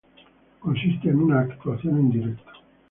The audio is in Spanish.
Consiste en una actuación en directo.